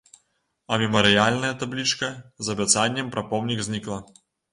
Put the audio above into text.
А мемарыяльная таблічка з абяцаннем пра помнік знікла.